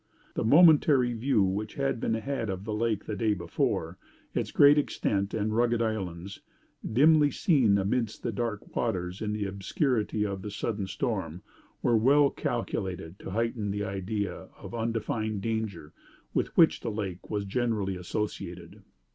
The momentary view which had been had of the lake the day before, its great extent and rugged islands, dimly seen amidst the dark waters in the obscurity of the sudden storm, were well calculated to heighten the idea of undefined danger with which the lake was generally associated.